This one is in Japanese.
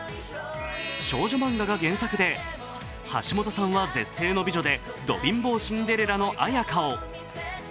少女漫画が原作で、橋本さんは絶世の美女でド貧乏シンデレラの綾華を。